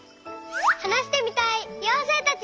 はなしてみたいようせいたち！